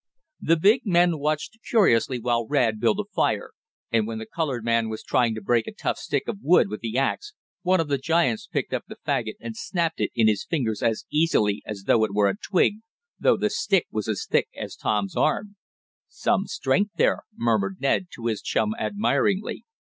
The big men watched curiously while Rad built a fire, and when the colored man was trying to break a tough stick of wood with the axe, one of the giants picked up the fagot and snapped it in his fingers as easily as though it were a twig, though the stick was as thick as Tom's arm. "Some strength there," murmured Ned to his chum admiringly.